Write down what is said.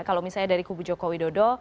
kalau misalnya dari kubu joko widodo